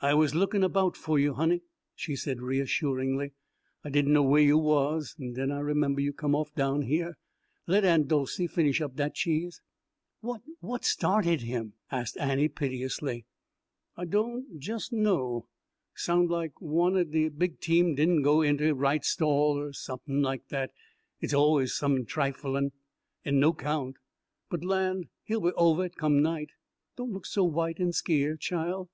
"I was lookin' erbout foh you, honey," she said reassuringly. "I di'n' know where you was, en den I remembah you come off down heah. Let Aunt Dolcey finish up dat cheese." "What what started him?" asked Annie piteously. "I doan' jes' know sound' like one de big team di'n' go inter his right stall, er som'n like dat. It's always som'n triflin', en no 'count. But land, he'll be ovah it come night. Doan' look so white en skeer, chile."